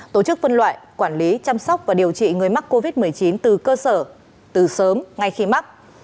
tổ chức phân loại quản lý chăm sóc và điều trị người mắc covid một mươi chín từ cơ sở từ sớm ngay khi mắc